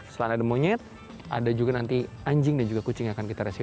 selain ada monyet ada juga nanti anjing dan juga kucing yang akan kita rescue